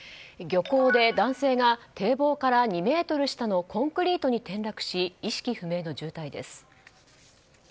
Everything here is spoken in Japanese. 漁港で男性が堤防から２ｍ下のコンクリートに転落し意識不明の重体です。